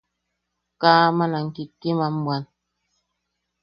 Kaa aman am kikkiman bwan.